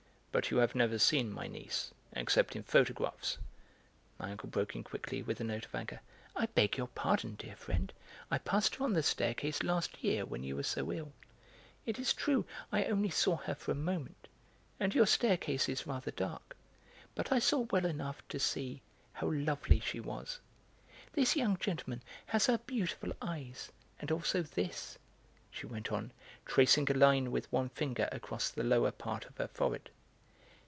"But you have never seen my niece, except in photographs," my uncle broke in quickly, with a note of anger. "I beg your pardon, dear friend, I passed her on the staircase last year when you were so ill. It is true I only saw her for a moment, and your staircase is rather dark; but I saw well enough to see how lovely she was. This young gentleman has her beautiful eyes, and also this," she went on, tracing a line with one finger across the lower part of her forehead.